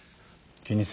気にするな。